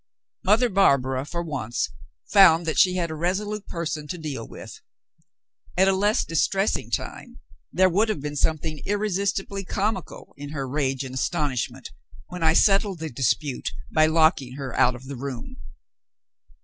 Mother Barbara, for once, found that she had a resolute person to deal with. At a less distressing time, there would have been something irresistibly comical in her rage and astonishment, when I settled the dispute by locking her out of the room.